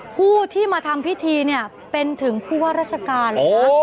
ผู้ที่มาทำพิธีเป็นถึงผู้ว่าราชการ